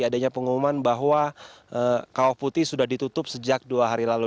adanya pengumuman bahwa kawah putih sudah ditutup sejak dua hari lalu